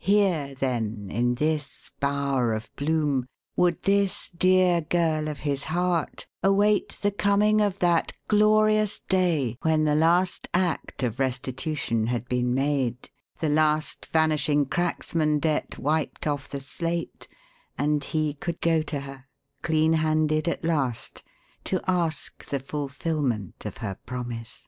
Here, then, in this bower of bloom, would this dear girl of his heart await the coming of that glorious day when the last act of restitution had been made, the last Vanishing Cracksman debt wiped off the slate, and he could go to her clean handed at last to ask the fulfilment of her promise.